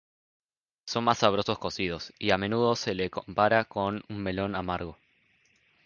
Son más sabrosos cocidos, y a menudo se lo compara con un melón amargo.